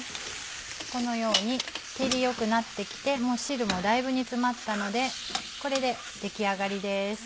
このように照りよくなってきて汁もだいぶ煮詰まったのでこれで出来上がりです。